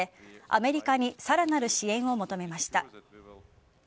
アメリカにさらなる支援を求めました。